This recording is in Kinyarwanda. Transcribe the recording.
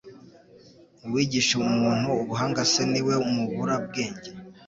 Uwigisha muntu ubuhanga se ni we mubura bwenge?